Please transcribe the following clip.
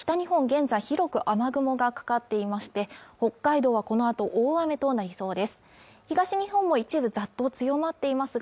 現在広く雨雲がかかっていまして北海道はこのあと大雨となりそうです